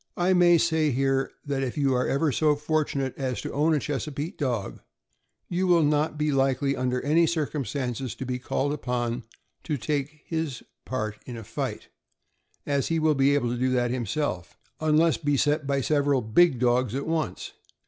I may say here that if ever you are so fortunate as to own a Chesapeake Dog, you will not be likely, under any cir cumstances, to be called upon to take his part in a fight, as he will be able to do that himself, unless beset by several big dogs at once.